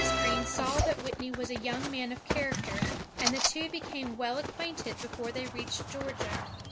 Greene saw that Whitney was a young man of character, and the two became well acquainted before they reached Georgia.